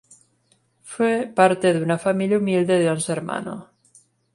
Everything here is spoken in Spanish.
Fue parte de una familia humilde de once hermanos.